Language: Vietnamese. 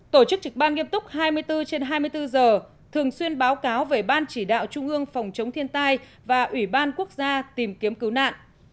tổ chức trực ban nghiêm túc hai mươi bốn trên hai mươi bốn giờ thường xuyên báo cáo về ban chỉ đạo trung ương phòng chống thiên tai và ủy ban quốc gia tìm kiếm cứu nạn